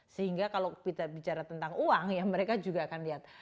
sehingga kalau kita bicara tentang uang ya mereka juga akan lihat